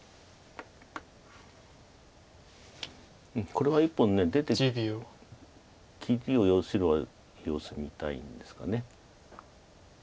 これは１本出て切りを白は様子見たいんですかね。